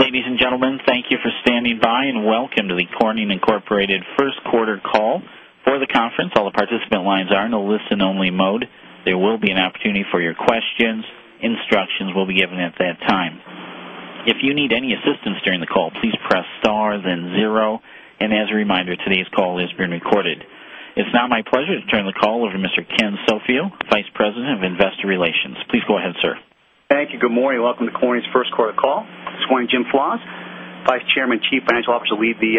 Ladies and gentlemen, thank you for standing by and welcome to the Corning Incorporated first quarter call for the conference. All the participant lines are in a listen-only mode. There will be an opportunity for your questions. Instructions will be given at that time. If you need any assistance during the call, please press star, then zero. As a reminder, today's call is being recorded. It's now my pleasure to turn the call over to Mr. Ken Sofio, Vice President of Investor Relations. Please go ahead, sir. Thank you. Good morning. Welcome to Corning's first quarter call. This is Corning's Jim Flaws, Vice Chairman and Chief Financial Officer, to lead the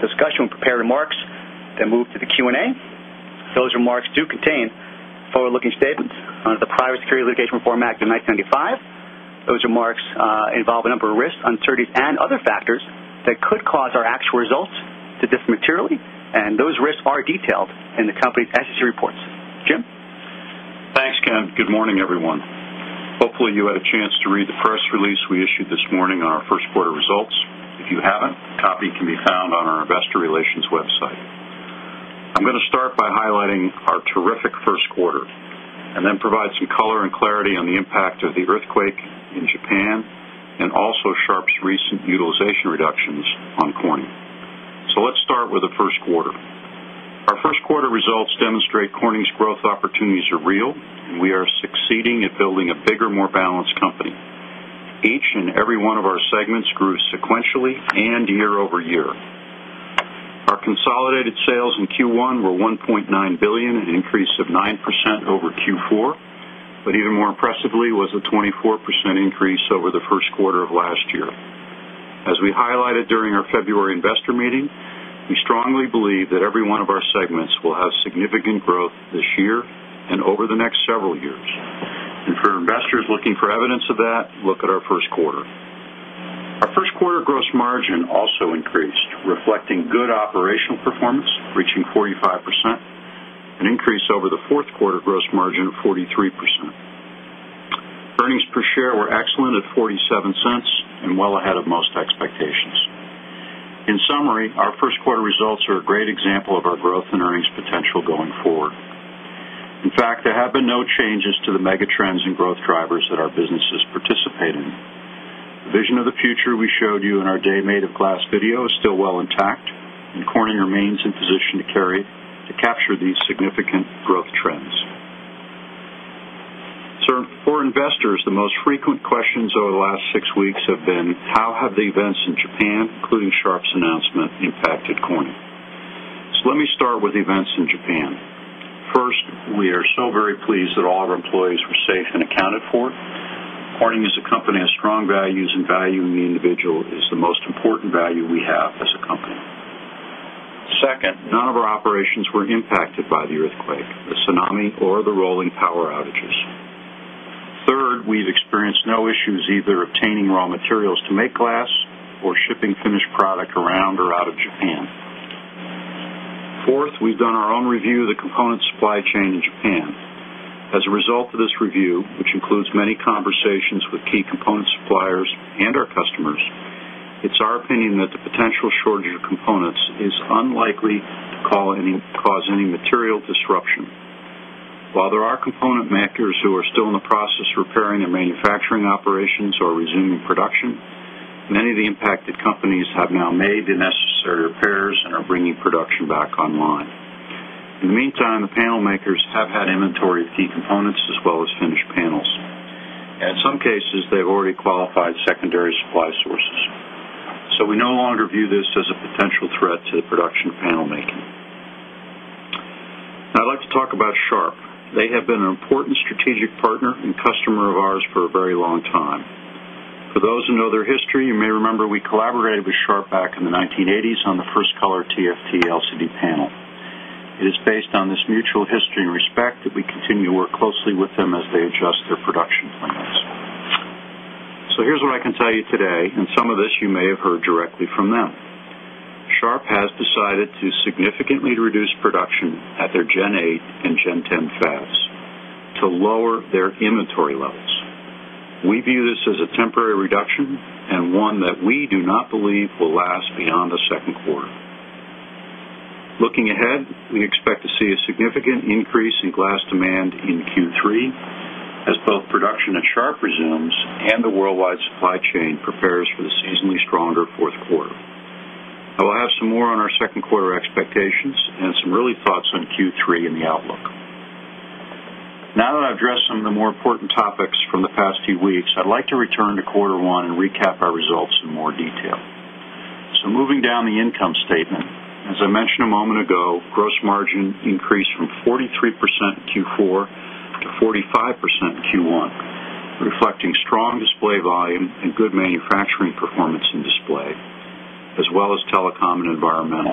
discussion with prepared remarks, then move to the Q&A. Those remarks do contain forward-looking statements under the Private Securities Litigation Reform Act of 1995. Those remarks involve a number of risks, uncertainties, and other factors that could cause our actual results to differ materially, and those risks are detailed in the company's SEC reports. Jim? Thanks, Ken. Good morning, everyone. Hopefully, you had a chance to read the first release we issued this morning on our first quarter results. If you haven't, a copy can be found on our Investor Relations website. I'm going to start by highlighting our terrific first quarter and then provide some color and clarity on the impact of the earthquake in Japan and also Sharp's recent utilization reductions on Corning. Let's start with the first quarter. Our first quarter results demonstrate Corning's growth opportunities are real, and we are succeeding at building a bigger, more balanced company. Each and every one of our segments grew sequentially and year-over-year. Our consolidated sales in Q1 were $1.9 billion, an increase of 9% over Q4. Even more impressively was the 24% increase over the first quarter of last year. As we highlighted during our February investor meeting, we strongly believe that every one of our segments will have significant growth this year and over the next several years. For investors looking for evidence of that, look at our first quarter. Our first quarter gross margin also increased, reflecting good operational performance, reaching 45%, an increase over the fourth quarter gross margin of 43%. Earnings per share were excellent at $0.47 and well ahead of most expectations. In summary, our first quarter results are a great example of our growth and earnings potential going forward. In fact, there have been no changes to the megatrends and growth drivers that our businesses participate in. The vision of the future we showed you in our Day Made of Glass video is still well intact, and Corning remains in position to capture these significant growth trends. For investors, the most frequent questions over the last six weeks have been, how have the events in Japan, including Sharp's announcement, impacted Corning? Let me start with events in Japan. First, we are so very pleased that all our employees were safe and accounted for. Corning is a company of strong values, and valuing the individual is the most important value we have as a company. Second, none of our operations were impacted by the earthquake, the tsunami, or the rolling power outages. Third, we've experienced no issues either obtaining raw materials to make glass or shipping finished product around or out of Japan. Fourth, we've done our own review of the component supply chain in Japan. As a result of this review, which includes many conversations with key component suppliers and our customers, it's our opinion that the potential shortage of components is unlikely to cause any material disruption. While there are component makers who are still in the process of repairing their manufacturing operations or resuming production, many of the impacted companies have now made the necessary repairs and are bringing production back online. In the meantime, the panel makers have had inventory of key components as well as finished panels. In some cases, they already qualified secondary supply sources. We no longer view this as a potential threat to the production panel making. I'd like to talk about Sharp. They have been an important strategic partner and customer of ours for a very long time. For those who know their history, you may remember we collaborated with Sharp back in the 1980s on the first color TFT LCD panel. It is based on this mutual history and respect that we continue to work closely with them as they adjust their production plans. Here's what I can tell you today, and some of this you may have heard directly from them. Sharp has decided to significantly reduce production at their Gen 8 and Gen 10 fab to lower their inventory levels. We view this as a temporary reduction and one that we do not believe will last beyond the second quarter. Looking ahead, we expect to see a significant increase in glass demand in Q3 as both production at Sharp resumes and the worldwide supply chain prepares for the seasonally stronger fourth quarter. I will have some more on our second quarter expectations and some early thoughts on Q3 and the outlook. Now that I've addressed some of the more important topics from the past few weeks, I'd like to return to quarter one and recap our results in more detail. Moving down the income statement, as I mentioned a moment ago, gross margin increased from 43% in Q4 to 45% in Q1, reflecting strong display volume and good manufacturing performance in display, as well as telecom and environmental.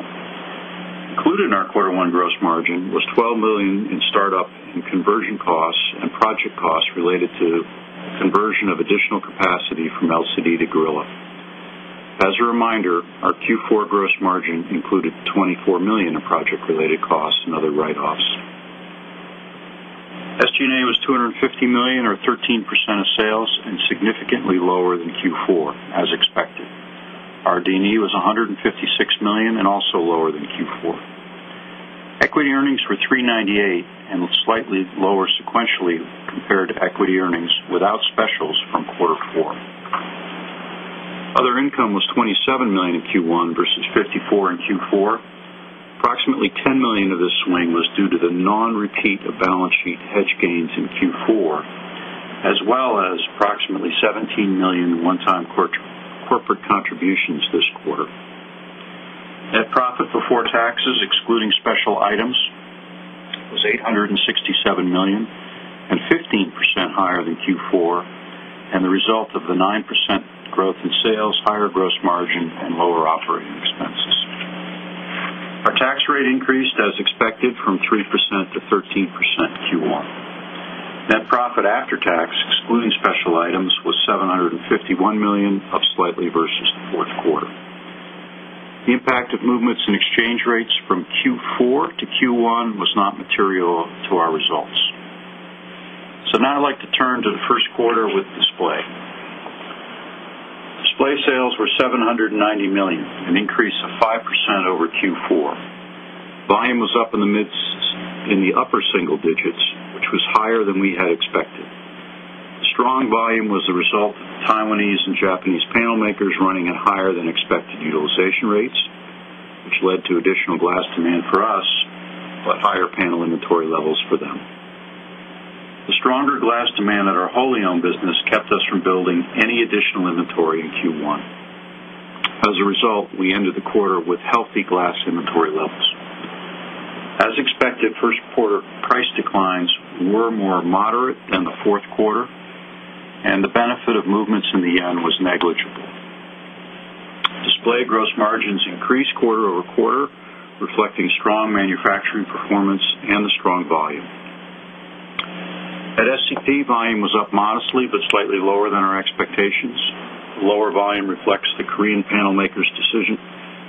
Included in our quarter one gross margin was $12 million in startup and conversion costs and project costs related to conversion of additional capacity from LCD to Gorilla. As a reminder, our Q4 gross margin included $24 million in project-related costs and other write-offs. SG&A was $250 million, or 13% of sales, and significantly lower than Q4, as expected. RD&E was $156 million and also lower than Q4. Equity earnings were $398 million and slightly lower sequentially compared to equity earnings without specials from Q4. Other income was $27 million in Q1 versus $54 million in Q4. Approximately $10 million of this swing was due to the non-repeat of balance sheet hedge gains in Q4, as well as approximately $17 million in one-time corporate contributions this quarter. Net profit before taxes, excluding special items, was $867 million and 15% higher than Q4, and the result of the 9% growth in sales, higher gross margin, and lower operating expenses. Our tax rate increased, as expected, from 3%-13% in Q1. Net profit after tax, excluding special items, was $751 million, up slightly versus the fourth quarter. The impact of movements in exchange rates from Q4-Q1 was not material to our results. Now I'd like to turn to the first quarter with Display. Display sales were $790 million, an increase of 5% over Q4. Volume was up in the upper single digits, which was higher than we had expected. The strong volume was the result of Taiwanese and Japanese panel makers running at higher than expected utilization rates, which led to additional glass demand for us, but higher panel inventory levels for them. The stronger glass demand at our wholly owned business kept us from building any additional inventory in Q1. As a result, we ended the quarter with healthy glass inventory levels. As expected, first quarter price declines were more moderate than the fourth quarter, and the benefit of movements in the yen was negligible. Display gross margins increased quarter-over-quarter, reflecting strong manufacturing performance and the strong volume. At SEP, volume was up modestly but slightly lower than our expectations. The lower volume reflects the Korean panel makers' decision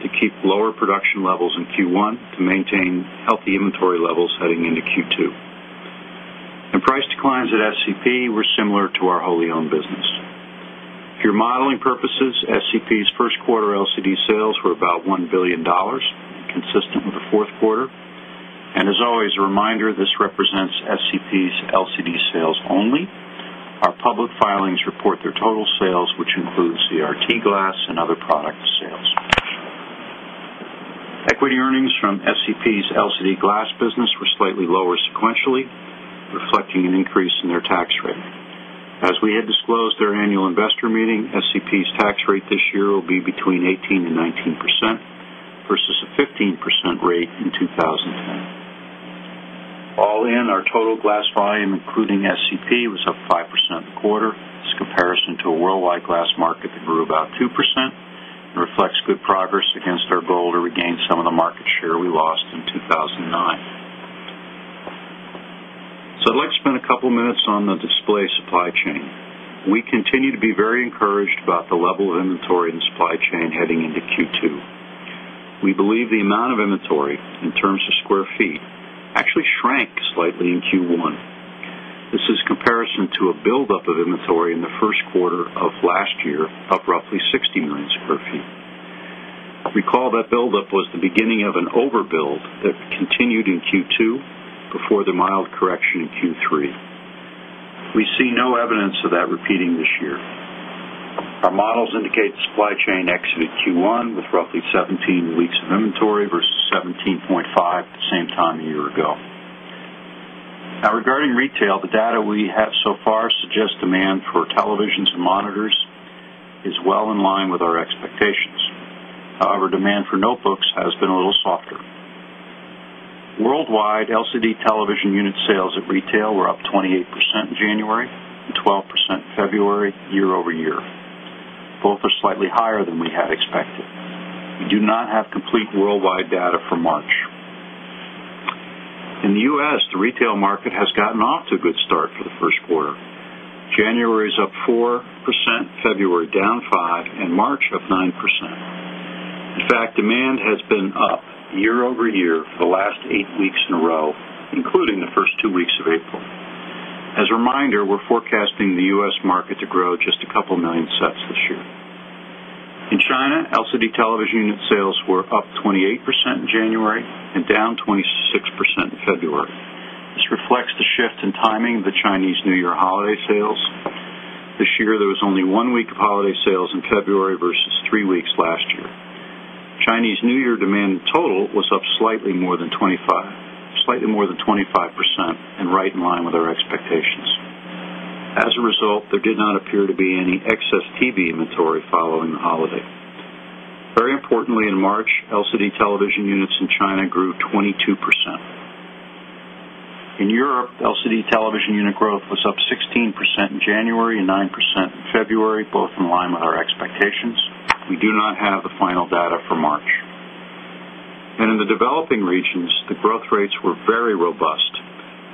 to keep lower production levels in Q1 to maintain healthy inventory levels heading into Q2. Price declines at SEP were similar to our wholly owned business. For your modeling purposes, SEP's first quarter LCD sales were about $1 billion, consistent with the fourth quarter. As always, a reminder, this represents SEP's LCD sales only. Our public filings report their total sales, which includes CRT glass and other product sales. Equity earnings from SEP's LCD glass business were slightly lower sequentially, reflecting an increase in their tax rate. As we had disclosed at our annual investor meeting, SEP's tax rate this year will be between 18%-19% versus a 15% rate in 2010. All in, our total glass volume, including SEP, was up 5% in the quarter. This is a comparison to a worldwide glass market that grew about 2% and reflects good progress against our goal to regain some of the market share we lost in 2009. I'd like to spend a couple of minutes on the display supply chain. We continue to be very encouraged about the level of inventory in the supply chain heading into Q2. We believe the amount of inventory in terms of square feet actually shrank slightly in Q1. This is a comparison to a buildup of inventory in the first quarter of last year, up roughly 60 million sq ft. If we recall, that buildup was the beginning of an overbuild that continued in Q2 before the mild correction in Q3. We see no evidence of that repeating this year. Our models indicate the supply chain exited Q1 with roughly 17 weeks of inventory versus 17.5 at the same time a year ago. Now, regarding retail, the data we have so far suggests demand for televisions and monitors is well in line with our expectations. However, demand for notebooks has been a little softer. Worldwide, LCD television unit sales at retail were up 28% in January and 12% in February, year-over-year. Both are slightly higher than we had expected. We do not have complete worldwide data for March. In the U.S., the retail market has gotten off to a good start for the first quarter. January is up 4%, February down 5%, and March up 9%. In fact, demand has been up year-over-year for the last eight weeks in a row, including the first two weeks of April. As a reminder, we're forecasting the U.S. market to grow just a couple million sets this year. In China, LCD television unit sales were up 28% in January and down 26% in February. This reflects the shift in timing of the Chinese New Year holiday sales. This year, there was only one week of holiday sales in February versus three weeks last year. Chinese New Year demand in total was up slightly more than 25% and right in line with our expectations. As a result, there did not appear to be any excess TV inventory following the holiday. Very importantly, in March, LCD television units in China grew 22%. In Europe, LCD television unit growth was up 16% in January and 9% in February, both in line with our expectations. We do not have the final data for March. In the developing regions, the growth rates were very robust.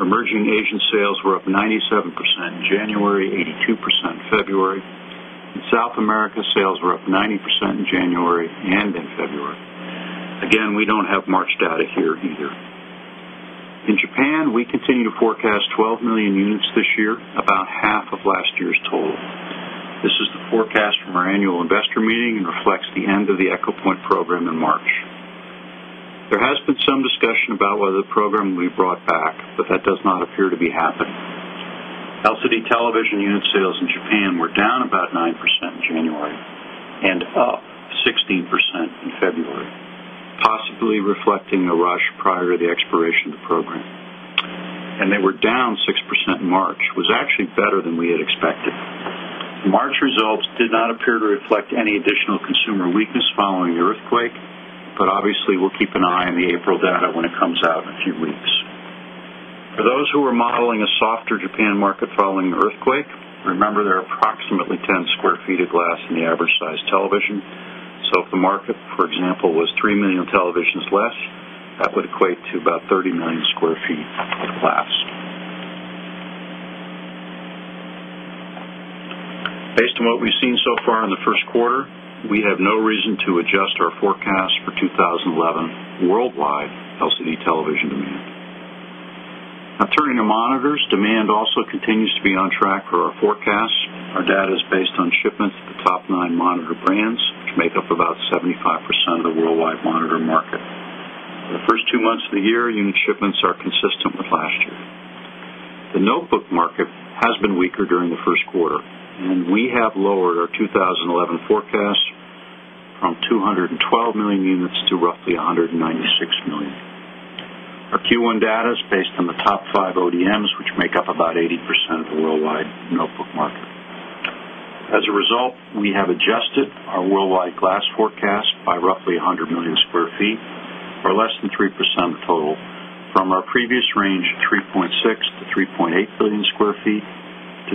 Emerging Asian sales were up 97% in January and 82% in February. In South America, sales were up 90% in January and in February. Again, we don't have March data here either. In Japan, we continue to forecast 12 million units this year, about 1/2 of last year's total. This is the forecast from our annual investor meeting and reflects the end of the Echo Point program in March. There has been some discussion about whether the program will be brought back, but that does not appear to be happening. LCD television unit sales in Japan were down about 9% in January and up 16% in February, possibly reflecting the rush prior to the expiration of the program. They were down 6% in March, which was actually better than we had expected. March results did not appear to reflect any additional consumer weakness following the earthquake, but obviously, we'll keep an eye on the April data when it comes out in a few weeks. For those who are modeling a softer Japan market following the earthquake, remember there are approximately 10 sq ft of glass in the average-sized television. If the market, for example, was 3 million televisions less, that would equate to about 30 million sq ft of glass. Based on what we've seen so far in the first quarter, we have no reason to adjust our forecast for 2011 worldwide LCD television demand. Now, turning to monitors, demand also continues to be on track for our forecast. Our data is based on shipments of the top nine monitor brands, which make up about 75% of the worldwide monitor market. For the first two months of the year, unit shipments are consistent with last year. The notebook market has been weaker during the first quarter, and we have lowered our 2011 forecast from 212 million units to roughly 196 million. Our Q1 data is based on the top five ODMs, which make up about 80% of the worldwide notebook market. As a result, we have adjusted our worldwide glass forecast by roughly 100 million sq ft, or less than 3% of the total, from our previous range of 3.6 billion-3.8 billion sq ft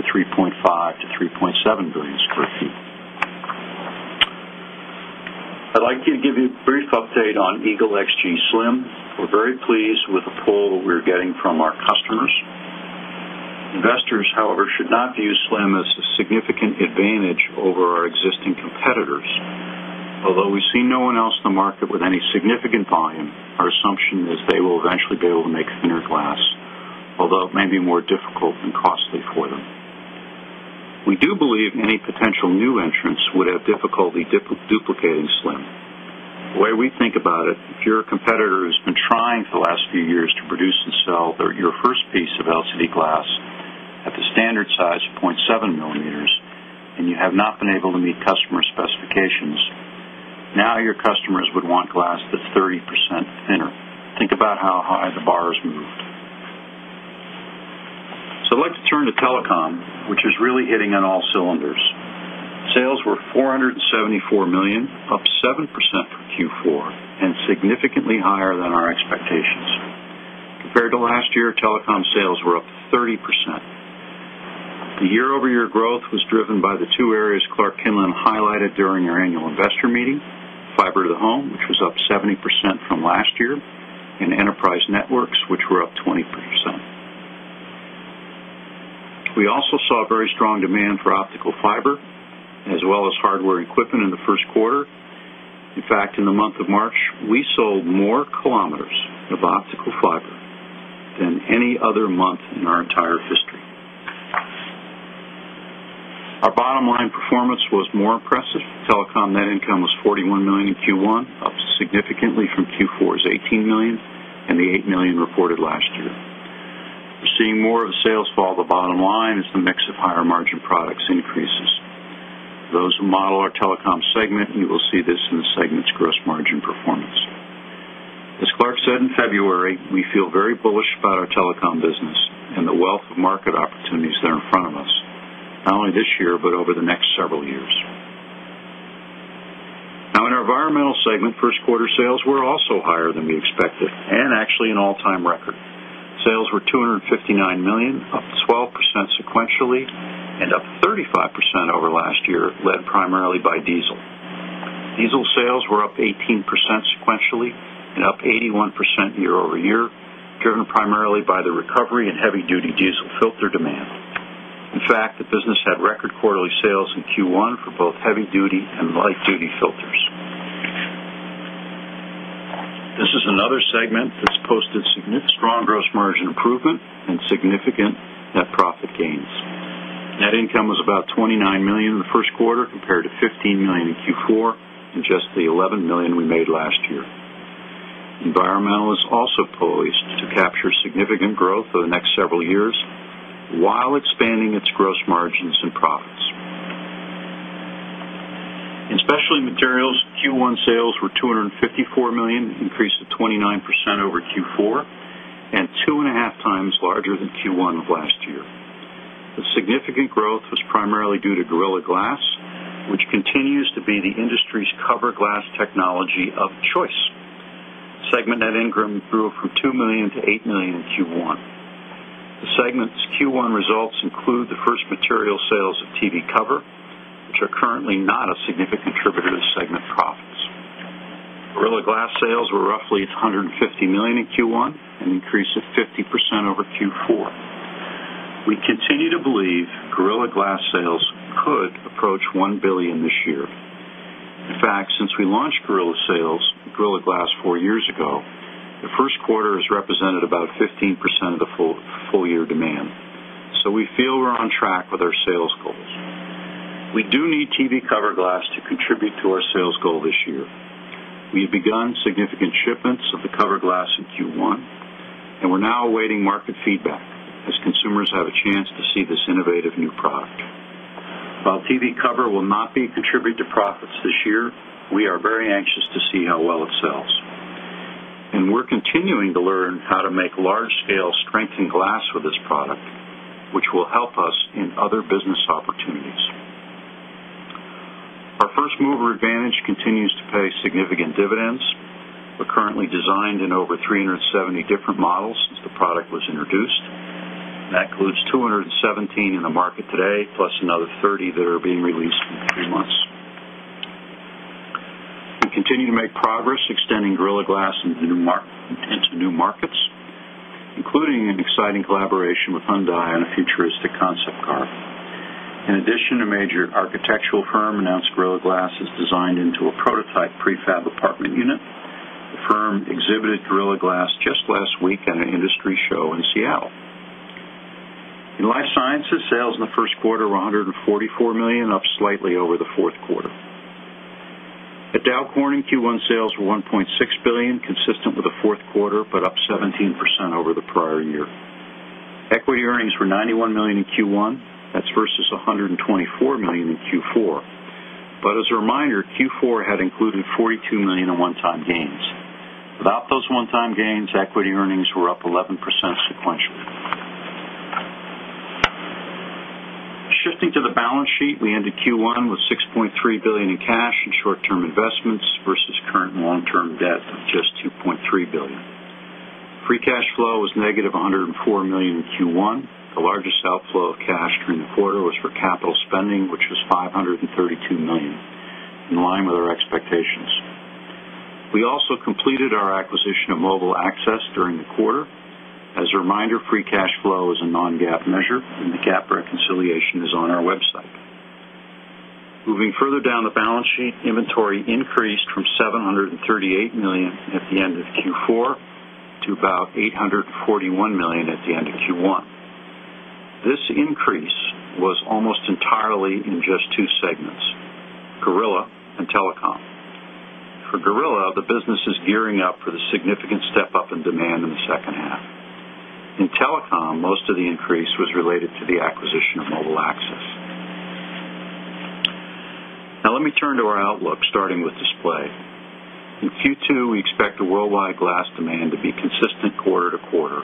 to 3.5 billion-3.7 billion square feet. I'd like to give you a brief update on EAGLE XG Slim. We're very pleased with the pull we're getting from our customers. Investors, however, should not view Slim as a significant advantage over our existing competitors. Although we see no one else in the market with any significant volume, our assumption is they will eventually be able to make thinner glass, although it may be more difficult and costly for them. We do believe any potential new entrants would have difficulty duplicating Slim. The way we think about it, if your competitor has been trying for the last few years to produce and sell your first piece of LCD glass at the standard size of 0.7 mm and you have not been able to meet customer specifications, now your customers would want glass that's 30% thinner. Think about how high the bar has moved. I would like to turn to telecom, which is really hitting on all cylinders. Sales were $474 million, up 7% for Q4 and significantly higher than our expectations. Compared to last year, telecom sales were up 30%. The year-over-year growth was driven by the two areas Clark Kinlin highlighted during our annual investor meeting: fiber-to-the-home, which was up 70% from last year, and enterprise networks, which were up 20%. We also saw very strong demand for optical fiber as well as hardware equipment in the first quarter. In fact, in the month of March, we sold more kilometers of optical fiber than any other month in our entire history. Our bottom line performance was more impressive. Telecom net income was $41 million in Q1, which is significantly up from Q4's $18 million and the $8 million reported last year. We're seeing more of the sales fall to the bottom line as the mix of higher margin products increases. For those who model our telecom segment, you will see this in the segment's gross margin performance. As Clark said in February, we feel very bullish about our telecom business and the wealth of market opportunities that are in front of us, not only this year but over the next several years. Now, in our environmental segment, first quarter sales were also higher than we expected and actually an all-time record. Sales were $259 million, up 12% sequentially, and up 35% over last year, led primarily by diesel. Diesel sales were up 18% sequentially and up 81% year-over-year, driven primarily by the recovery in heavy-duty diesel filter demand. In fact, the business had record quarterly sales in Q1 for both heavy-duty and light-duty filters. This is another segment that's posted significant strong gross margin improvement and significant net profit gains. Net income was about $29 million in the first quarter compared to $15 million in Q4 and just the $11 million we made last year. Environmental is also poised to capture significant growth over the next several years while expanding its gross margins and profits. In specialty materials, Q1 sales were $254 million, increased to 29% over Q4 and 2.5x larger than Q1 of last year. The significant growth was primarily due to Gorilla Glass, which continues to be the industry's cover glass technology of choice. Segment net income grew from $2 million-$8 million in Q1. The segment's Q1 results include the first material sales of TV cover glass, which are currently not a significant contributor to segment profits. Gorilla Glass sales were roughly $150 million in Q1 and increased to 50% over Q4. We continue to believe Gorilla Glass sales could approach $1 billion this year. In fact, since we launched Gorilla Glass four years ago, the first quarter has represented about 15% of the full-year demand. We feel we're on track with our sales goals. We do need TV cover glass to contribute to our sales goal this year. We have begun significant shipments of the cover glass in Q1, and we're now awaiting market feedback as consumers have a chance to see this innovative new product. While TV cover glass will not be contributing to profits this year, we are very anxious to see how well it sells. We're continuing to learn how to make large-scale strengthened glass with this product, which will help us in other business opportunities. Our first mover advantage continues to pay significant dividends. We're currently designed in over 370 different models since the product was introduced. That includes 217 in the market today, plus another 30 that are being released in three months. We continue to make progress extending Gorilla Glass into new markets, including an exciting collaboration with Hyundai on a futuristic concept car. In addition, a major architectural firm announced Gorilla Glass is designed into a prototype prefab apartment unit. The firm exhibited Gorilla Glass just last week at an industry show in Seattle. In life sciences, sales in the first quarter were $144 million, up slightly over the fourth quarter. At Dow Corning, Q1 sales were $1.6 billion, consistent with the fourth quarter but up 17% over the prior year. Equity earnings were $91 million in Q1. That's versus $124 million in Q4. As a reminder, Q4 had included $42 million in one-time gains. Without those one-time gains, equity earnings were up 11% sequentially. Shifting to the balance sheet, we ended Q1 with $6.3 billion in cash and short-term investments versus current long-term debt of just $2.3 billion. Free cash flow was -$104 million in Q1. The largest outflow of cash during the quarter was for capital spending, which was $532 million, in line with our expectations. We also completed our acquisition of MobileAccess during the quarter. As a reminder, free cash flow is a non-GAAP measure, and the GAAP reconciliation is on our website. Moving further down the balance sheet, inventory increased from $738 million at the end of Q4 to about $841 million at the end of Q1. This increase was almost entirely in just two segments: Gorilla and telecom. For Gorilla, the business is gearing up for the significant step up in demand in the second half. In telecom, most of the increase was related to the acquisition of MobileAccess. Now, let me turn to our outlook, starting with display. In Q2, we expect the worldwide glass demand to be consistent quarter to quarter,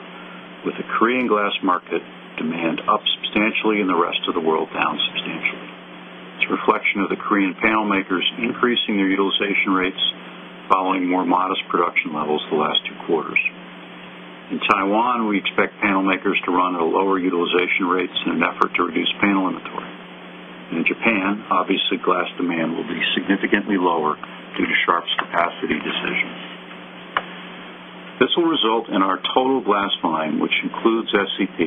with the Korean glass market demand up substantially and the rest of the world down substantially. It's a reflection of the Korean panel makers increasing their utilization rates following more modest production levels the last two quarters. In Taiwan, we expect panel makers to run at a lower utilization rate in an effort to reduce panel inventory. In Japan, obviously, glass demand will be significantly lower due to Sharp's capacity decision. This will result in our total glass buying, which includes SEP,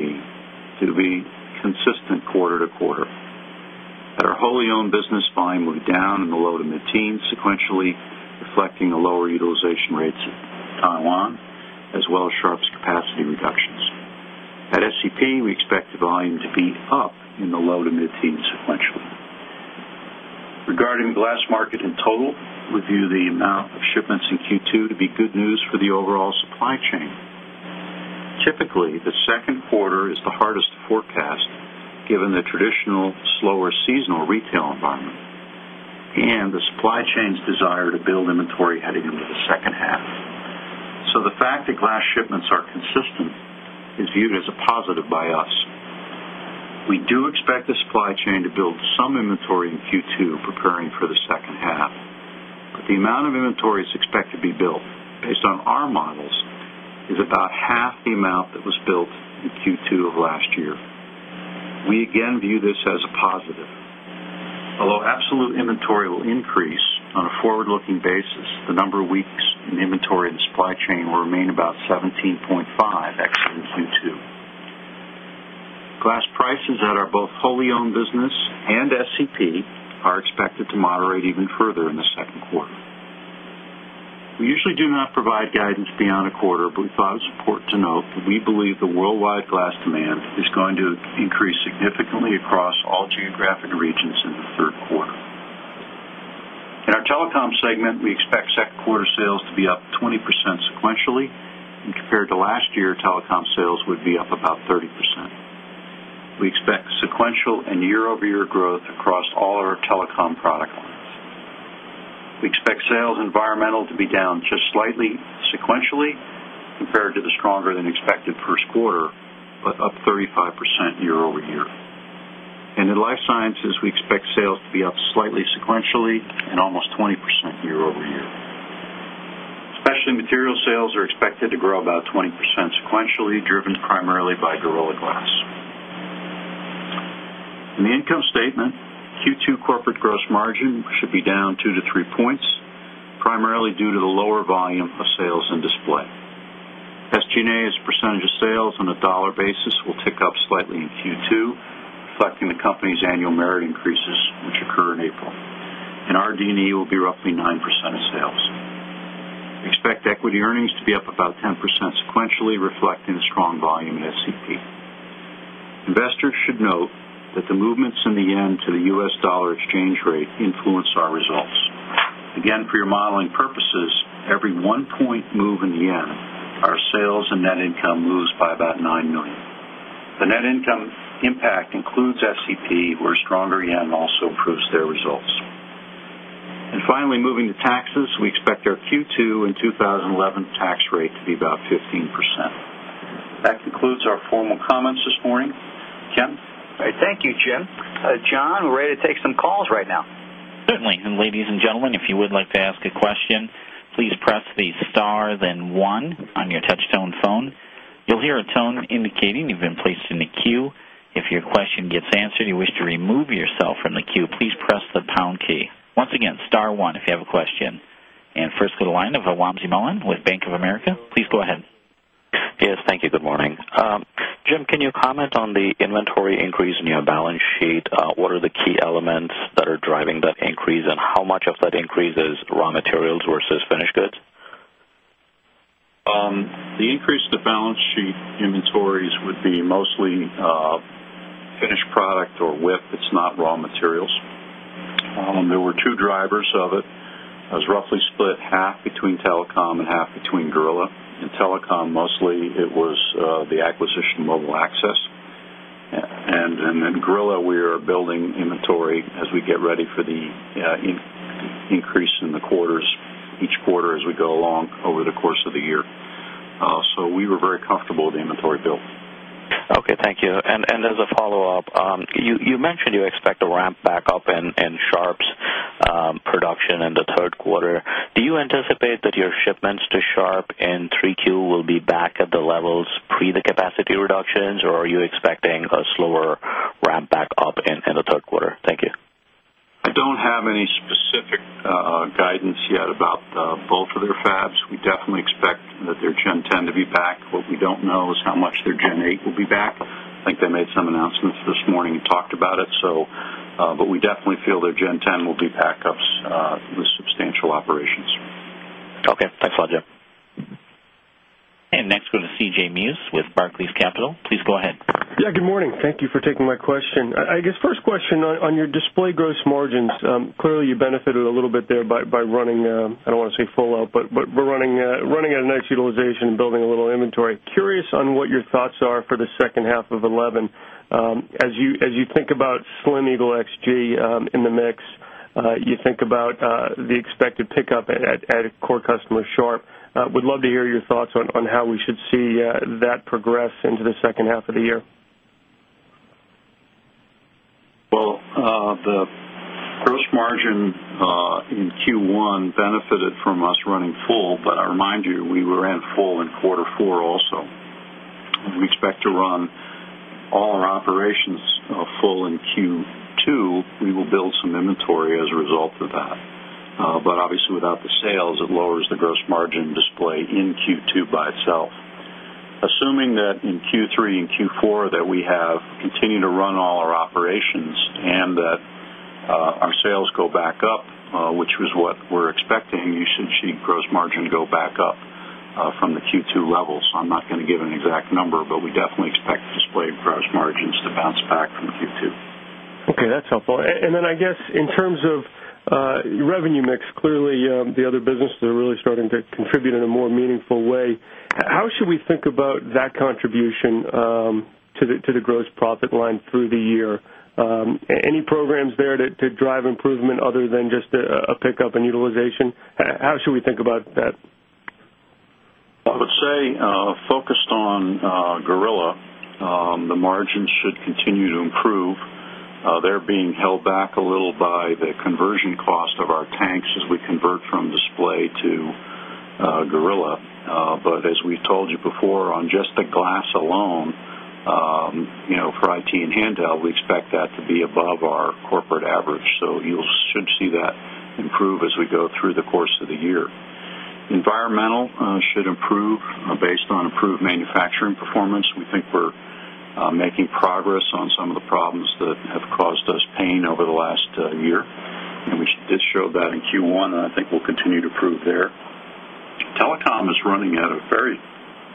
to be consistent quarter to quarter. At our wholly-owned business, buying will be down in the low to mid-teens sequentially, reflecting a lower utilization rate in Taiwan as well as Sharp's capacity reductions. At SEP, we expect the volume to be up in the low to mid-teens sequentially. Regarding the glass market in total, we view the amount of shipments in Q2 to be good news for the overall supply chain. Typically, the second quarter is the hardest to forecast given the traditional slower seasonal retail environment and the supply chain's desire to build inventory heading into the second half. The fact that glass shipments are consistent is viewed as a positive by us. We do expect the supply chain to build some inventory in Q2 preparing for the second half. The amount of inventory that's expected to be built based on our models is about 1/2 the amount that was built in Q2 of last year. We again view this as a positive. Although absolute inventory will increase on a forward-looking basis, the number of weeks in inventory in the supply chain will remain about 17.5 exiting Q2. Glass prices at both wholly-owned business and SEP are expected to moderate even further in the second quarter. We usually do not provide guidance beyond a quarter, but we thought it's important to note that we believe the worldwide glass demand is going to increase significantly across all geographic regions in the third quarter. In our telecom segment, we expect second quarter sales to be up 20% sequentially, and compared to last year, telecom sales would be up about 30%. We expect sequential and year-over-year growth across all our telecom product lines. We expect sales in Environmental Technologies to be down just slightly sequentially compared to the stronger than expected first quarter, but up 35% year-over-year. In Life Sciences, we expect sales to be up slightly sequentially and almost 20% year-over-year. Specialty Materials sales are expected to grow about 20% sequentially, driven primarily by Gorilla Glass. In the income statement, Q2 corporate gross margin should be down 2-3 points, primarily due to the lower volume of sales in Display Technologies. SG&A's percentage of sales on a dollar basis will tick up slightly in Q2, reflecting the company's annual merit increases, which occur in April. RD&E will be roughly 9% of sales. We expect equity earnings to be up about 10% sequentially, reflecting a strong volume in SEP. Investors should note that the movements in the yen to the U.S. dollar exchange rate influence our results. For your modeling purposes, every one point move in yen, our sales and net income lose by about $9 million. The net income impact includes SEP, where a stronger yen also improves their results. Finally, moving to taxes, we expect our Q2 2011 tax rate to be about 15%. That concludes our formal comments this morning. Ken? All right. Thank you, Jim. John, we're ready to take some calls right now. Certainly. Ladies and gentlemen, if you would like to ask a question, please press the star, then one on your touch-tone phone. You'll hear a tone indicating you've been placed in the queue. If your question gets answered and you wish to remove yourself from the queue, please press the pound key. Once again, star one if you have a question. First, with a line of Wamsi Mohan with Bank of America, please go ahead. Yes. Thank you. Good morning. Jim, can you comment on the inventory increase in your balance sheet? What are the key elements that are driving that increase, and how much of that increase is raw materials versus finished goods? The increase in the balance sheet inventories would be mostly finished product or WIP. It's not raw materials. There were two drivers of it. It was roughly split half between telecom and half between Gorilla. In telecom, mostly it was the acquisition of MobileAccess. In Gorilla, we are building inventory as we get ready for the increase in the quarters each quarter as we go along over the course of the year. We were very comfortable with the inventory build. Thank you. As a follow-up, you mentioned you expect a ramp back up in Sharp's production in the third quarter. Do you anticipate that your shipments to Sharp in Q3 will be back at the levels pre the capacity reductions, or are you expecting a slower ramp back up in the third quarter? Thank you. I don't have any specific guidance yet about both of their fabs. We definitely expect that their Gen 10 to be back. What we don't know is how much their Gen 8 will be back. I think they made some announcements this morning and talked about it, but we definitely feel their Gen 10 will be back up with substantial operations. Okay. Thanks a lot, Jim. Next, we're going to CJ Muse with Barclays. Please go ahead. Good morning. Thank you for taking my question. I guess first question on your display gross margins. Clearly, you benefited a little bit there by running, I don't want to say full out, but were running at a nice utilization and building a little inventory. Curious on what your thoughts are for the second half of 2011. As you think about Slim EAGLE XG in the mix, you think about the expected pickup at a core customer, Sharp. Would love to hear your thoughts on how we should see that progress into the second half of the year. The gross margin in Q1 benefited from us running full, but I remind you, we were at full in quarter four also. We expect to run all our operations full in Q2. We will build some inventory as a result of that, but obviously, without the sales, it lowers the gross margin display in Q2 by itself. Assuming that in Q3 and Q4 we have continued to run all our operations and that our sales go back up, which is what we're expecting, you should see gross margin go back up from the Q2 levels. I'm not going to give an exact number, but we definitely expect display gross margins to bounce back from Q2. Okay. That's helpful. In terms of revenue mix, clearly, the other businesses are really starting to contribute in a more meaningful way. How should we think about that contribution to the gross profit line through the year? Any programs there to drive improvement other than just a pickup in utilization? How should we think about that? I would say, focused on Gorilla, the margins should continue to improve. They're being held back a little by the conversion cost of our tanks as we convert from display to Gorilla, but as we told you before, on just the glass alone, you know, for IT and handheld, we expect that to be above our corporate average. You should see that improve as we go through the course of the year. Environmental should improve, based on improved manufacturing performance. We think we're making progress on some of the problems that have caused us pain over the last year. We did show that in Q1, and I think we'll continue to improve there. Telecom is running at a very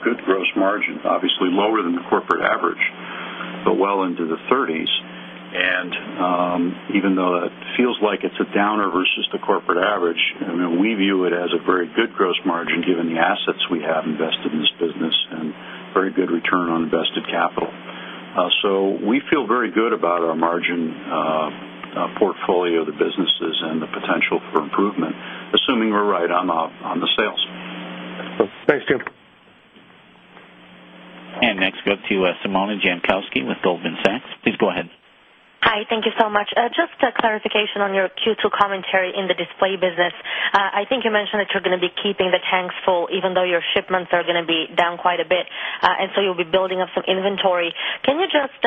good gross margin, obviously lower than the corporate average, but well into the 30%. Even though it feels like it's a downer versus the corporate average, we view it as a very good gross margin given the assets we have invested in this business and very good return on invested capital. We feel very good about our margin portfolio, the businesses, and the potential for improvement, assuming we're right on the sales. Thanks, Jim. Next, go to Simona Jankowski with Goldman Sachs. Please go ahead. Hi. Thank you so much. Just a clarification on your Q2 commentary in the display business. I think you mentioned that you're going to be keeping the tanks full, even though your shipments are going to be down quite a bit, and you'll be building up some inventory. Can you just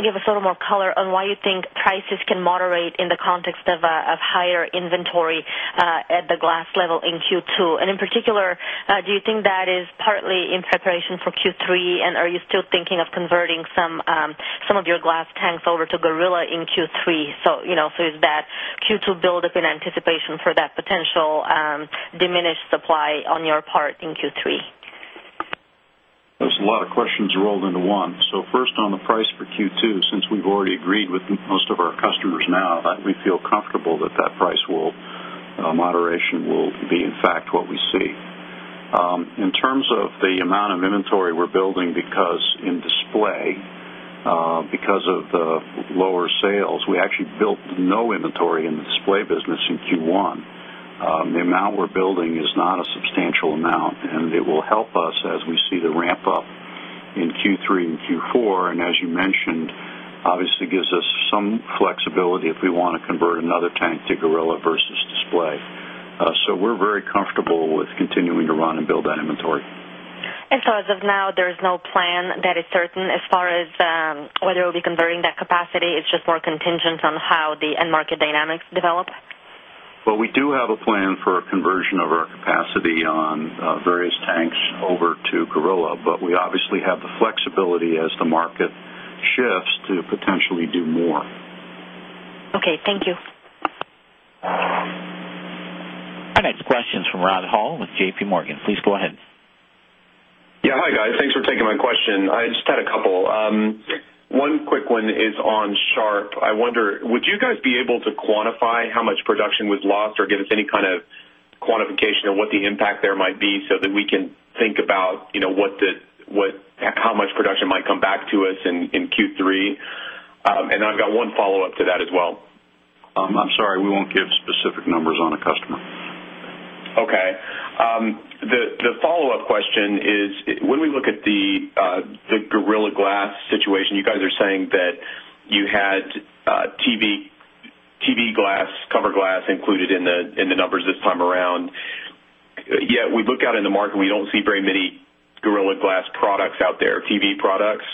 give us a little more color on why you think prices can moderate in the context of higher inventory at the glass level in Q2? In particular, do you think that is partly in preparation for Q3, and are you still thinking of converting some of your glass tanks over to Gorilla in Q3? Is that Q2 buildup in anticipation for that potential diminished supply on your part in Q3? That's a lot of questions rolled into one. First, on the price for Q2, since we've already agreed with most of our customers now, we feel comfortable that that price moderation will, in fact, be what we see. In terms of the amount of inventory we're building in display, because of the lower sales, we actually built no inventory in the display business in Q1. The amount we're building is not a substantial amount, and it will help us as we see the ramp up in Q3 and Q4. As you mentioned, obviously, it gives us some flexibility if we want to convert another tank to Gorilla Glass versus display. We're very comfortable with continuing to run and build that inventory. As of now, there is no plan that is certain as far as whether we'll be converting that capacity. It's just more contingent on how the end market dynamics develop. We do have a plan for a conversion of our capacity on various tanks over to Gorilla, but we obviously have the flexibility as the market shifts to potentially do more. Okay, thank you. Our next question is from Rod Hall with JPMorgan. Please go ahead. Yeah. Hi, guys. Thanks for taking my question. I just had a couple. One quick one is on Sharp. I wonder, would you guys be able to quantify how much production was lost or give us any kind of quantification of what the impact there might be so that we can think about how much production might come back to us in Q3? I've got one follow-up to that as well. I'm sorry. We won't give specific numbers on a customer. Okay. The follow-up question is, when we look at the Gorilla Glass situation, you guys are saying that you had TV cover glass included in the numbers this time around. Yet we look out in the market, we don't see very many Gorilla Glass products out there, TV products.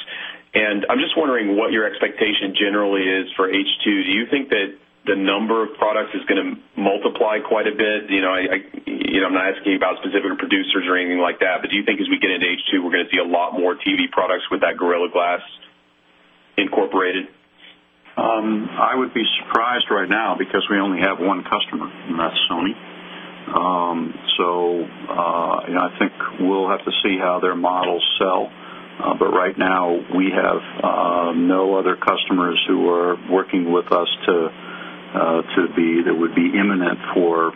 I'm just wondering what your expectation generally is for H2. Do you think that the number of products is going to multiply quite a bit? I'm not asking you about specific producers or anything like that, but do you think as we get into H2, we're going to see a lot more TV products with that Gorilla Glass incorporated? I would be surprised right now because we only have one customer, and that's Sony. I think we'll have to see how their models sell. Right now, we have no other customers who are working with us to be that would be imminent for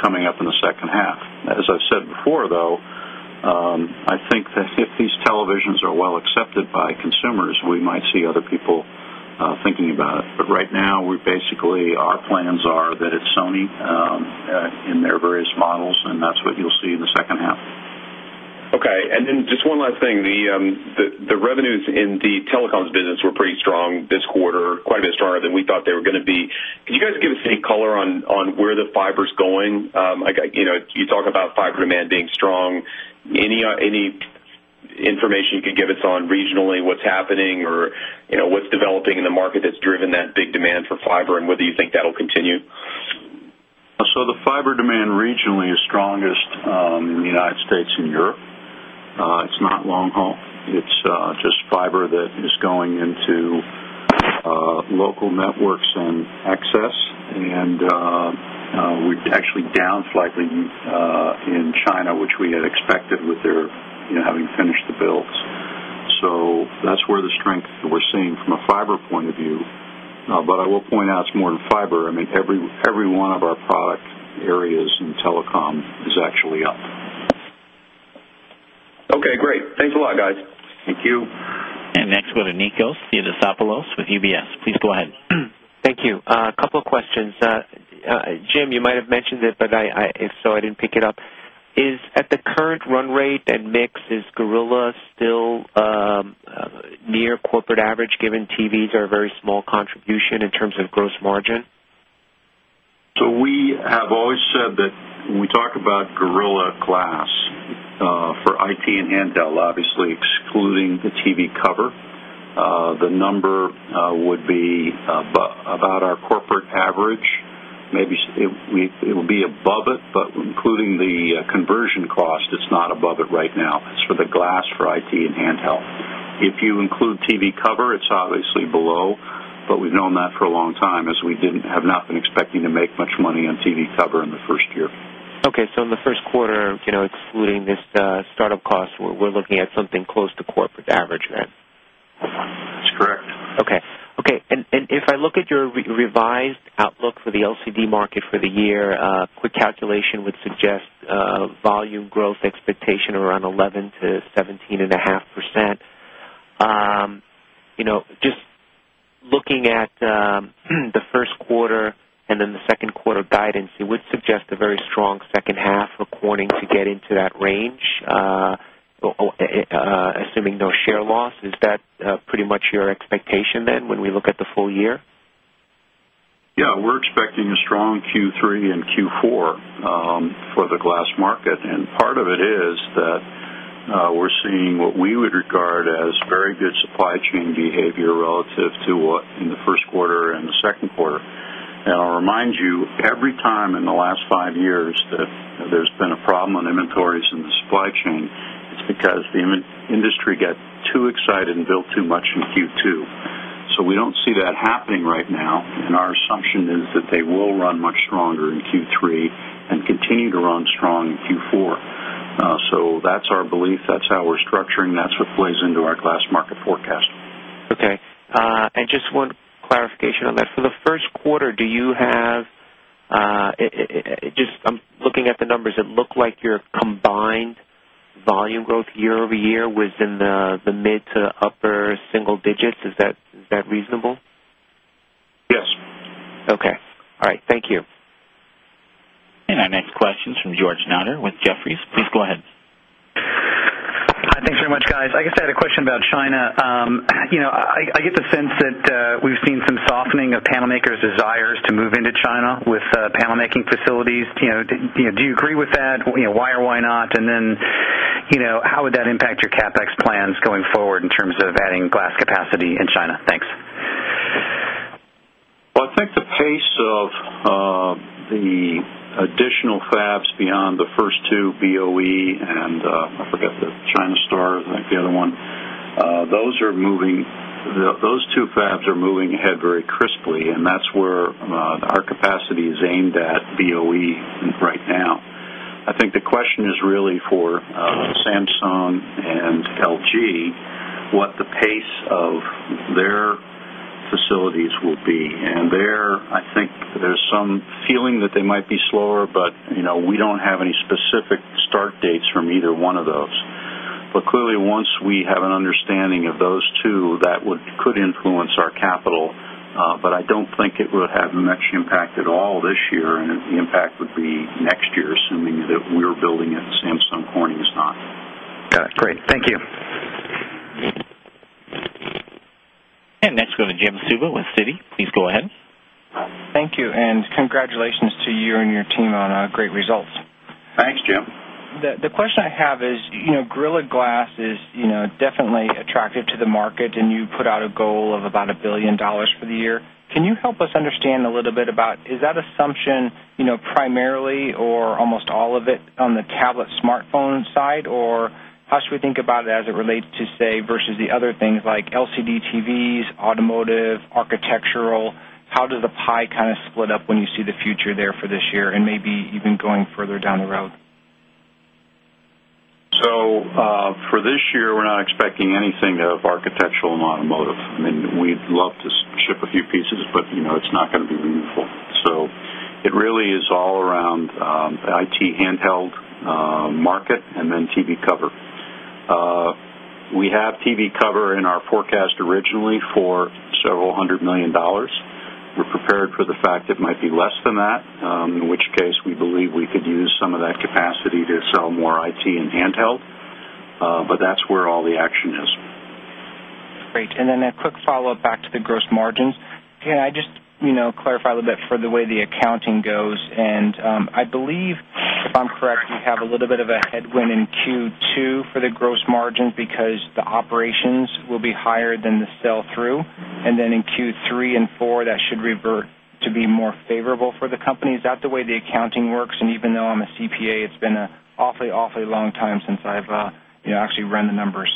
coming up in the second half. As I've said before, I think that if these televisions are well accepted by consumers, we might see other people thinking about it. Right now, we basically, our plans are that it's Sony, in their various models, and that's what you'll see in the second half. Okay. Just one last thing. The revenues in the telecom business were pretty strong this quarter, quite a bit stronger than we thought they were going to be. Could you guys give us any color on where the fiber's going? You talk about fiber demand being strong. Any information you could give us on regionally, what's happening, or what's developing in the market that's driven that big demand for fiber and whether you think that'll continue? The fiber demand regionally is strongest in the United States and Europe. It's not long-haul, it's just fiber that is going into local networks and access. We're actually down slightly in China, which we had expected with their, you know, having finished the builds. That's where the strength we're seeing from a fiber point of view. I will point out it's more in fiber. I mean, every one of our product areas in telecom is actually up. Okay. Great. Thanks a lot, guys. Thank you. Next, we're going to Nikos Theodosopoulos with UBS. Please go ahead. Thank you. A couple of questions. Jim, you might have mentioned it, but if so, I didn't pick it up. Is, at the current run rate and mix, is Gorilla still near corporate average given TVs are a very small contribution in terms of gross margin? We have always said that we talk about Gorilla Glass for IT and handheld, obviously excluding the TV cover. The number would be about our corporate average. Maybe it would be above it, but including the conversion cost, it's not above it right now. It's for the glass for IT and handheld. If you include TV cover, it's obviously below, but we've known that for a long time as we have not been expecting to make much money on TV cover in the first year. Okay. In the first quarter, you know, excluding this startup cost, we're looking at something close to corporate average rent. That's correct. Okay. If I look at your revised outlook for the LCD market for the year, quick calculation would suggest volume growth expectation around 11%-17.5%. You know, just looking at the first quarter and then the second quarter guidance, it would suggest a very strong second half to get into that range. Assuming no share loss, is that pretty much your expectation then when we look at the full year? Yeah. We're expecting a strong Q3 and Q4 for the glass market. Part of it is that we're seeing what we would regard as very good supply chain behavior relative to what in the first quarter and the second quarter. I'll remind you, every time in the last five years that there's been a problem on inventories in the supply chain, it's because the industry got too excited and built too much in Q2. We don't see that happening right now. Our assumption is that they will run much stronger in Q3 and continue to run strong in Q4. That's our belief. That's how we're structuring. That's what plays into our glass market forecast. Okay. Just one clarification on that. For the first quarter, do you have, just I'm looking at the numbers. It looked like your combined volume growth year-over-year was in the mid to upper single digits. Is that reasonable? Yes. Okay. All right. Thank you. Our next question is from George Notter with Jefferies. Please go ahead. Hi. Thanks very much, guys. I guess I had a question about China. I get the sense that we've seen some softening of panel makers' desires to move into China with panel making facilities. Do you agree with that? Why or why not? How would that impact your CapEx plans going forward in terms of adding glass capacity in China? Thanks. I think the pace of the additional fabs beyond the first two, BOE and ChinaStar, I think the other one, those are moving. Those two fabs are moving ahead very crisply, and that's where our capacity is aimed at BOE right now. I think the question is really for Samsung and LG what the pace of their facilities will be. There, I think there's some feeling that they might be slower, but we don't have any specific start dates from either one of those. Clearly, once we have an understanding of those two, that could influence our capital. I don't think it will have much impact at all this year, and the impact would be next year, assuming that we're building it and Samsung Corning is not. Got it. Great. Thank you. Next, we're going to Jim Suva with Citi. Please go ahead. Thank you. Congratulations to you and your team on great results. Thanks, Jim. The question I have is, you know, Gorilla Glass is, you know, definitely attractive to the market, and you put out a goal of about $1 billion for the year. Can you help us understand a little bit about is that assumption, you know, primarily or almost all of it on the tablet smartphone side, or how should we think about it as it relates to, say, versus the other things like LCD TVs, automotive, architectural? How does the pie kind of split up when you see the future there for this year and maybe even going further down the road? For this year, we're not expecting anything of architectural and automotive. I mean, we'd love to ship a few pieces, but, you know, it's not going to be meaningful. It really is all around the IT handheld market and then TV cover. We have TV cover in our forecast originally for several hundred million dollars. We're prepared for the fact it might be less than that, in which case we believe we could use some of that capacity to sell more IT and handheld. That's where all the action is. Great. A quick follow-up back to the gross margins. Can I just clarify a little bit for the way the accounting goes? I believe, if I'm correct, you have a little bit of a headwind in Q2 for the gross margins because the operations will be higher than the sell-through. In Q3 and four, that should revert to be more favorable for the company. Is that the way the accounting works? Even though I'm a CPA, it's been an awfully, awfully long time since I've actually run the numbers.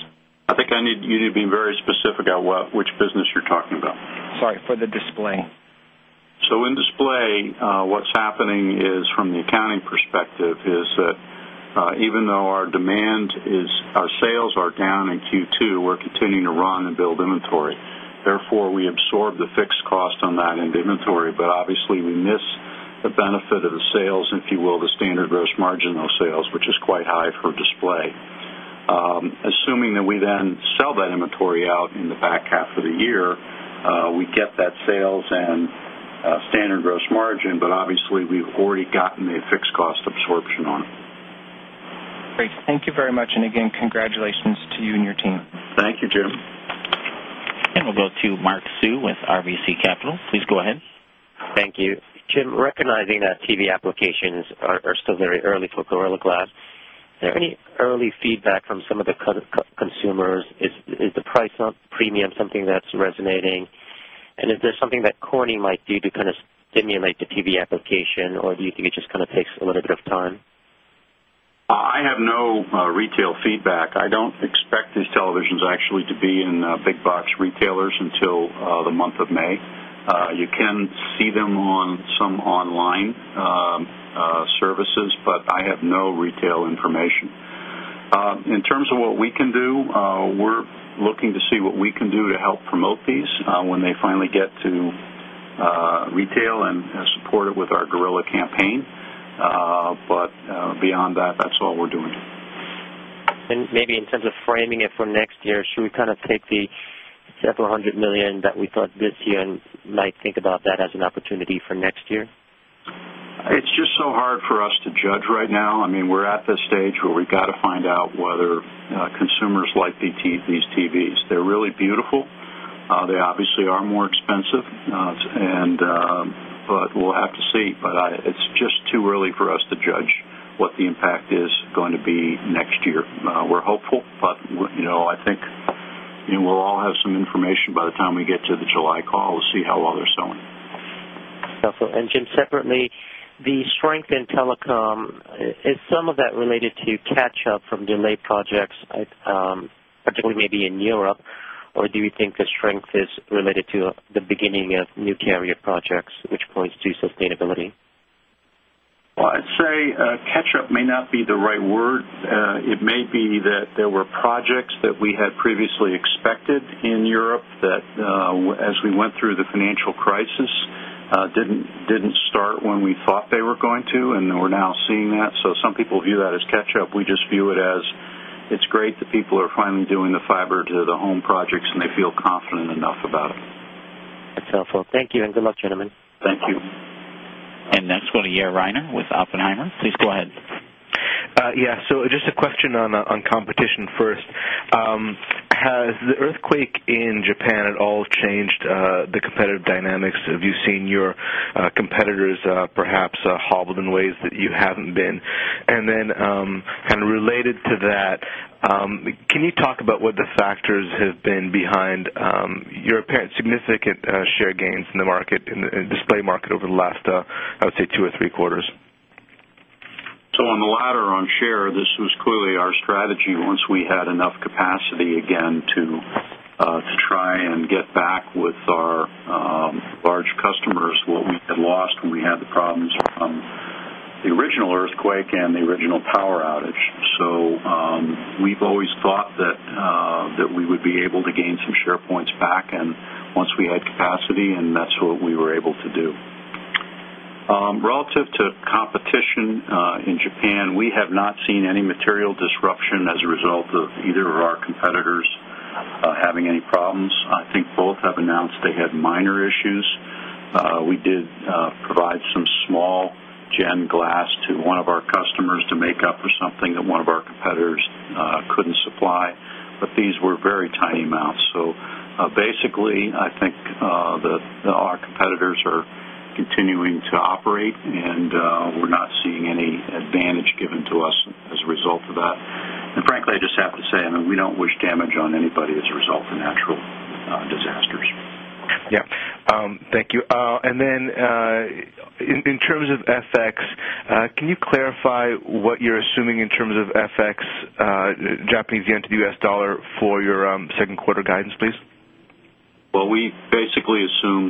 I think I need you to be very specific about which business you're talking about. Sorry for the display. In display, what's happening is from the accounting perspective is that, even though our demand is our sales are down in Q2, we're continuing to run and build inventory. Therefore, we absorb the fixed cost on that end inventory, but obviously, we miss the benefit of the sales, if you will, the standard gross margin of sales, which is quite high for display. Assuming that we then sell that inventory out in the back half of the year, we get that sales and standard gross margin, but obviously, we've already gotten the fixed cost absorption on. Great. Thank you very much. Congratulations to you and your team. Thank you, Jim. We will go to Mark Sue with RBC Capital. Please go ahead. Thank you. Jim, recognizing that TV applications are still very early for Gorilla Glass, is there any early feedback from some of the consumers? Is the price premium something that's resonating? Is there something that Corning might do to kind of stimulate the TV application, or do you think it just kind of takes a little bit of time? I have no retail feedback. I don't expect these televisions actually to be in big box retailers until the month of May. You can see them on some online services, but I have no retail information. In terms of what we can do, we're looking to see what we can do to help promote these when they finally get to retail and support it with our Gorilla campaign. Beyond that, that's all we're doing. In terms of framing it for next year, should we kind of take the several hundred million that we thought this year and might think about that as an opportunity for next year? It's just so hard for us to judge right now. I mean, we're at this stage where we got to find out whether consumers like the TVs. They're really beautiful. They obviously are more expensive, and we'll have to see. It's just too early for us to judge what the impact is going to be next year. We're hopeful, but I think we'll all have some information by the time we get to the July call to see how well they're selling. Helpful. Jim, separately, the strength in telecom, is some of that related to catch-up from delayed projects, particularly maybe in Europe? Do you think the strength is related to the beginning of new carrier projects, which points to sustainability? Catch-up may not be the right word. It may be that there were projects that we had previously expected in Europe that, as we went through the financial crisis, didn't start when we thought they were going to, and we're now seeing that. Some people view that as catch-up. We just view it as it's great that people are finally doing the fiber-to-the-home projects, and they feel confident enough about it. That's helpful. Thank you and good luck, gentlemen. Thank you. Next, we're going to Yair Reiner with Oppenheimer. Please go ahead. Yeah. Just a question on competition first. Has the earthquake in Japan at all changed the competitive dynamics? Have you seen your competitors, perhaps, hobbled in ways that you haven't been? Kind of related to that, can you talk about what the factors have been behind your apparent significant share gains in the market, in the display market over the last, I would say, two or three quarters? On the latter on share, this was clearly our strategy once we had enough capacity again to try and get back with our large customers what we had lost when we had the problems from the original earthquake and the original power outage. We've always thought that we would be able to gain some share points back once we had capacity, and that's what we were able to do. Relative to competition, in Japan, we have not seen any material disruption as a result of either of our competitors having any problems. I think both have announced they had minor issues. We did provide some small Gen Glass to one of our customers to make up for something that one of our competitors couldn't supply. These were very tiny amounts. Basically, I think that our competitors are continuing to operate, and we're not seeing any advantage given to us as a result of that. Frankly, I just have to say, I mean, we don't wish damage on anybody as a result of natural disasters. Yeah, thank you. In terms of FX, can you clarify what you're assuming in terms of FX, Japanese yen to the U.S. dollar for your second quarter guidance, please? We basically assume,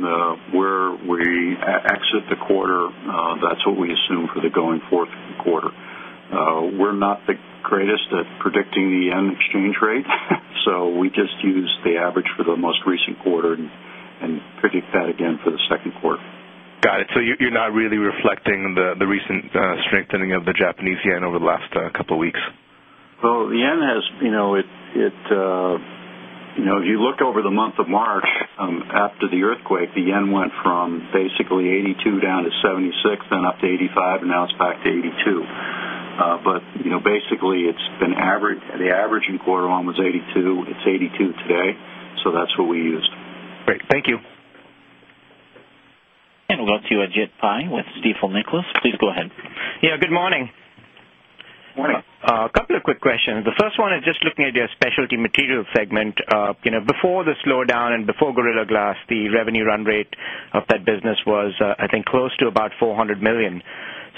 where we exit the quarter, that's what we assume for the going forth quarter. We're not the greatest at predicting the yen exchange rate, so we just use the average for the most recent quarter and predict that again for the second quarter. You're not really reflecting the recent strengthening of the Japanese yen over the last couple of weeks? The yen has, you know, if you look over the month of March, after the earthquake, the yen went from basically 82 down to 76, then up to 85, and now it's back to 82. Basically, it's been average. The average in quarter one was 82. It's 82 today. That's what we used. Great. Thank you. We will go to Ajit Pai with Stifel Nicolaus. Please go ahead. Good morning. Morning. A couple of quick questions. The first one is just looking at your Specialty Materials segment. You know, before the slowdown and before Gorilla Glass, the revenue run rate of that business was, I think, close to about $400 million.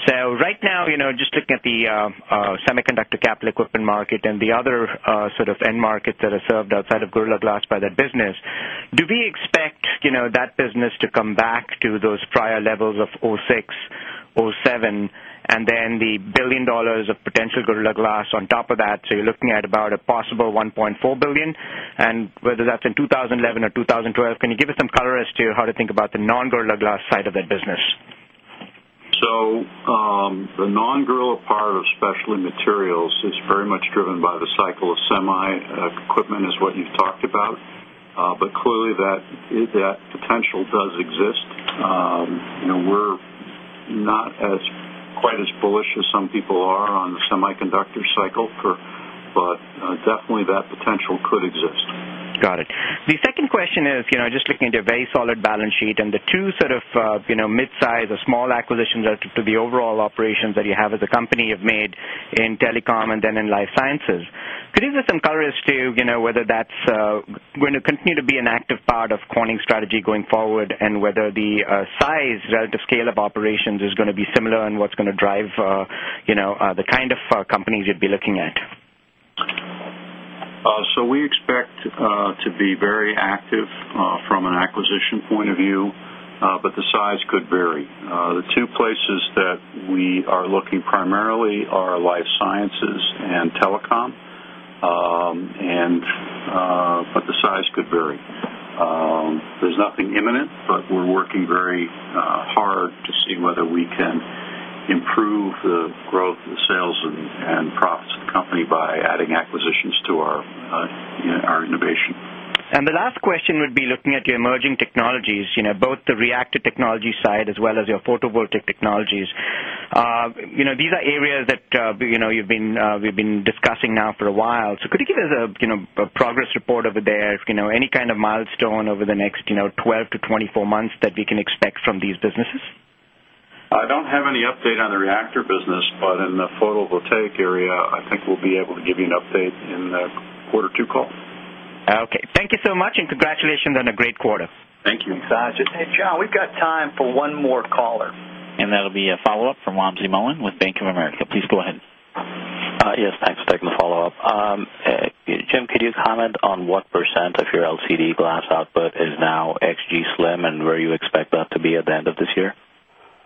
Right now, just looking at the semiconductor capital equipment market and the other sort of end markets that are served outside of Gorilla Glass by that business, do we expect that business to come back to those prior levels of 2006, 2007, and then the $1 billion of potential Gorilla Glass on top of that? You're looking at about a possible $1.4 billion. Whether that's in 2011 or 2012, can you give us some color as to how to think about the non-Gorilla Glass side of that business? The non-Gorilla part of Specialty Materials is very much driven by the cycle of semi-equipment, is what you've talked about. Clearly, that potential does exist. You know, we're not quite as bullish as some people are on the semiconductor cycle, but definitely, that potential could exist. Got it. The second question is, just looking at a very solid balance sheet and the two sort of mid-size or small acquisitions as to the overall operations that you have as a company have made in telecom and then in life sciences. Could you give us some color as to whether that's going to continue to be an active part of Corning's strategy going forward and whether the size, relative scale of operations is going to be similar and what's going to drive the kind of companies you'd be looking at? We expect to be very active from an acquisition point of view, but the size could vary. The two places that we are looking primarily are Life Sciences and telecom, and the size could vary. There's nothing imminent, but we're working very hard to see whether we can improve the growth of the sales and profits of the company by adding acquisitions to our innovation. The last question would be looking at your emerging technologies, both the reactor technology side as well as your photovoltaic technologies. These are areas that you've been, we've been discussing now for a while. Could you give us a progress report over there, if any kind of milestone over the next 12-24 months that we can expect from these businesses? I don't have any update on the reactor business, but in the photovoltaics area, I think we'll be able to give you an update in the quarter two call. Okay. Thank you so much, and congratulations on a great quarter. Thank you. Thanks, Ajit. Hey, John, we've got time for one more caller. That'll be a follow-up from Wamsi Mohan with Bank of America. Please go ahead. Yes. Thanks for taking the follow-up. Jim, could you comment on what percentage of your LCD glass output is now XG Slim and where you expect that to be at the end of this year?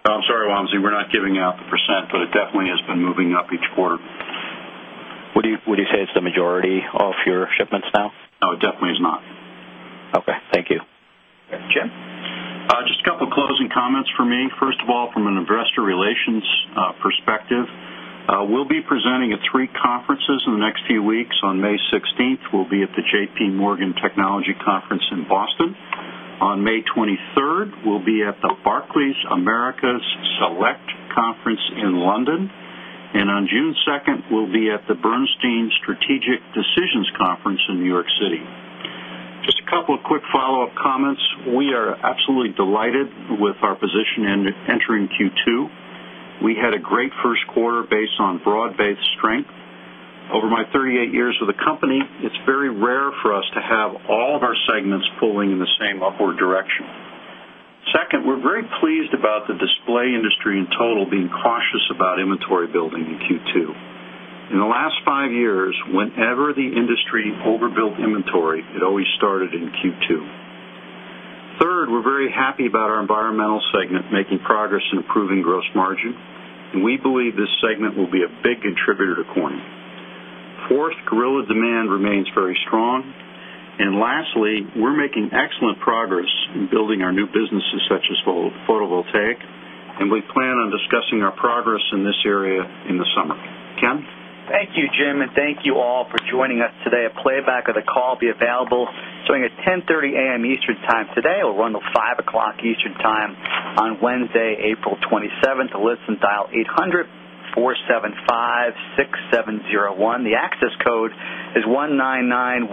Oh, I'm sorry, Wamsi. We're not giving out the percentage, but it definitely has been moving up each quarter. Would you say it's the majority of your shipments now? No, it definitely is not. Okay, thank you, Jim. Just a couple of closing comments for me. First of all, from an investor relations perspective, we'll be presenting at three conferences in the next few weeks. On May 16th, we'll be at the J.P. Morgan Technology Conference in Boston. On May 23rd, we'll be at the Barclays Americas Select Conference in London. On June 2nd, we'll be at the Bernstein Strategic Decisions Conference in New York City. Just a couple of quick follow-up comments. We are absolutely delighted with our position in entering Q2. We had a great first quarter based on broad-based strength. Over my 38 years with the company, it's very rare for us to have all of our segments pulling in the same upward direction. We are very pleased about the display industry in total being cautious about inventory building in Q2. In the last five years, whenever the industry overbuilt inventory, it always started in Q2. We are very happy about our environmental segment making progress in improving gross margin. We believe this segment will be a big contributor to Corning. Gorilla demand remains very strong. We're making excellent progress in building our new businesses such as photovoltaics, and we plan on discussing our progress in this area in the summer. Ken? Thank you, Jim, and thank you all for joining us today. A playback of the call will be available starting at 10:30 A.M. Eastern time today. It'll run till 5:00 P.M. Eastern time on Wednesday, April 27, 2023. To listen, dial 800-475-6701. The access code is 199-110.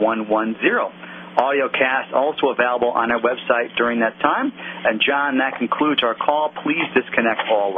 Audiocast also available on our website during that time. John, that concludes our call. Please disconnect all.